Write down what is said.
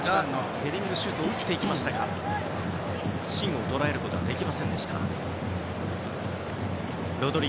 ヘディングシュートを打っていきましたが芯は捉えられませんでした。